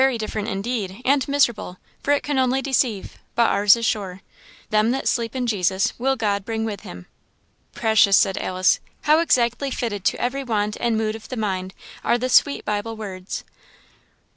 "Very different indeed! and miserable; for it can only deceive; but ours is sure. 'Them that sleep in Jesus will God bring with him.' " "Precious!" said Alice. "How exactly fitted to every want and mood of the mind are the sweet Bible words!"